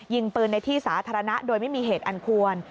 ยิงปืนในที่สาธารณะโดยไม่มีเหตุอันควร